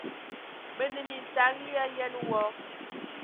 Mə anə mintag yi ayen wɔ!